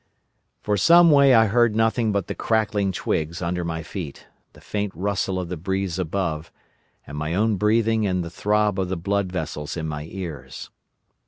"For some way I heard nothing but the crackling twigs under my feet, the faint rustle of the breeze above, and my own breathing and the throb of the blood vessels in my ears.